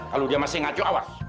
kalau dia masih ngaco awas